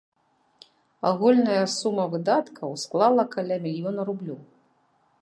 Агульная сума выдаткаў склала каля мільёна рублёў.